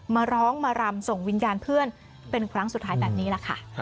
มาร้องมารำส่งวิญญาณเพื่อนเป็นครั้งสุดท้ายแบบนี้แหละค่ะ